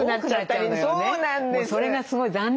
それがすごい残念だよね。